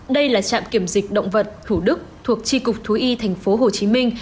đây là trạm kiểm dịch động vật thủ đức thuộc tri cục thú y thành phố hồ chí minh